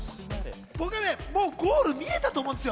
僕はもうゴール見えたと思うんですよ。